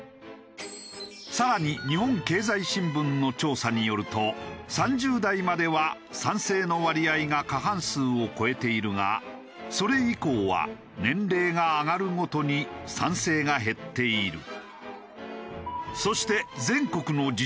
更に日本経済新聞の調査によると３０代までは賛成の割合が過半数を超えているがそれ以降は年齢が上がるごとに賛成が減っている。